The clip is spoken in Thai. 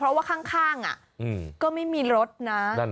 เพราะว่าข้างก็ไม่มีรถนะ